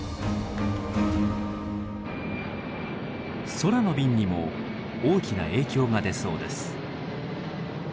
空の便にも大きな影響が出そうです。